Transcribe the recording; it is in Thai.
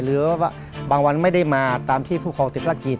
หรือว่าบางวันไม่ได้มาตามที่ผู้ครองติดภารกิจ